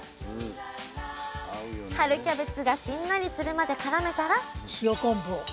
春キャベツがしんなりするまでからめたら塩昆布を。